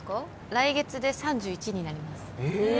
来月で３１になりますえ！